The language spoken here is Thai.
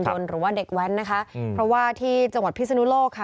หรือว่าเด็กแว้นนะคะเพราะว่าที่จังหวัดพิศนุโลกค่ะ